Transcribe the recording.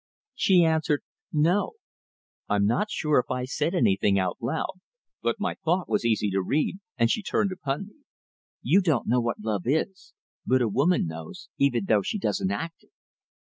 She answered: "No." I'm not sure if I said anything out loud, but my thought was easy to read, and she turned upon me. "You don't know what love is. But a woman knows, even though she doesn't act it."